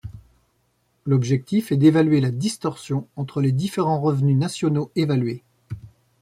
L'objectif est d'évaluer la distorsion entre les différents revenus nationaux évalués.